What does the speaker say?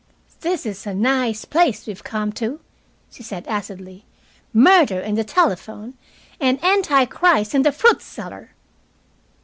"This is a nice place we've come to," she said, acidly. "Murder in the telephone and anti Christ in the fruit cellar!"